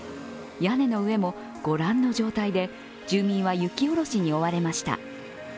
屋根の上も御覧の状態で住民は雪下ろしに追われました。